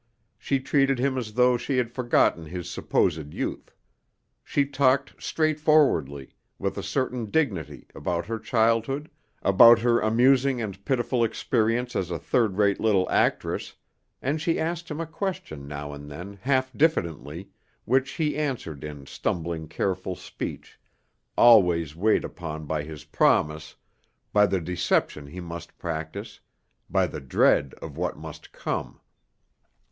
She treated him as though she had forgotten his supposed youth; she talked straightforwardly, with a certain dignity, about her childhood, about her amusing and pitiful experience as a third rate little actress, and she asked him a question now and then half diffidently, which he answered in stumbling, careful speech, always weighed upon by his promise, by the deception he must practice, by the dread of what must come.